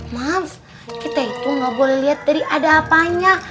mams kita itu nggak boleh lihat dari ada apanya